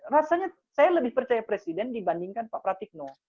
rasanya saya lebih percaya presiden dibandingkan pak pratikno